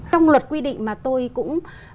trong luật quy định mà tôi cũng